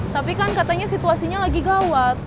tapi kan katanya situasinya lagi gawat